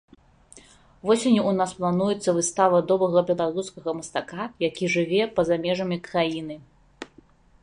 Восенню ў нас плануецца выстава добрага беларускага мастака, які жыве па-за межамі краіны.